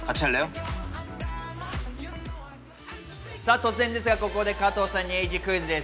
突然ですが、ここで加藤さんにエイジ・クイズです。